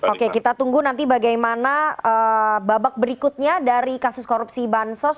oke kita tunggu nanti bagaimana babak berikutnya dari kasus korupsi bansos